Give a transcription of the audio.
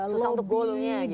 susah untuk goal nya